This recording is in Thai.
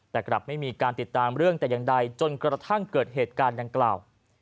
แต่กลับไม่มีการติดตามเรื่องแต่อย่างใดจนกระทั่งเกิดเหตุการณ์ดังกล่าว